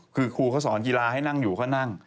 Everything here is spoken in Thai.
คือครูเขาสอนกีฬาให้นั่งอยู่เขานั่ง